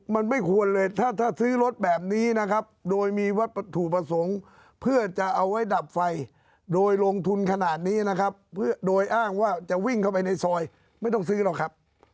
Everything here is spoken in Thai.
มันไม่ควรเลยถ้าถ้าซื้อรถแบบนี้นะครับโดยมีวัตถุประสงค์เพื่อจะเอาไว้ดับไฟโดยลงทุนขนาดนี้นะครับโดยอ้างว่าจะวิ่งเข้าไปในซอยไม่ต้องซื้อหรอกครับ